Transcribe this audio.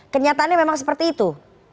kenyataannya memang seperti itu